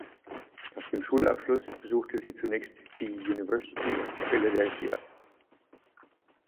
Nach dem Schulabschluss besuchte sie zunächst die University of Philadelphia.